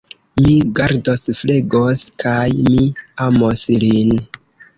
Mi gardos, flegos kaj mi amos lin.